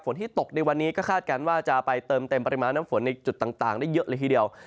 ที่ตกในวันนี้ก็คาดการณ์ว่าจะไปเติมเต็มปริมาณน้ำฝนในจุดต่างได้เยอะเลยทีเดียว